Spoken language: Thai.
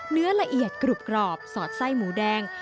เนื้อละเอียดกรุบสอดไส้หมูแดง